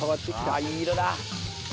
ああいい色だ！